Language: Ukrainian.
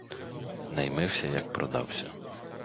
Наймився, як продався.